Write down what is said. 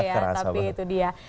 nggak terasa ya tapi itu dia